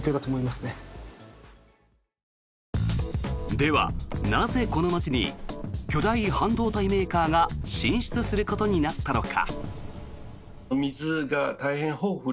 では、なぜこの町に巨大半導体メーカーが進出することになったのか。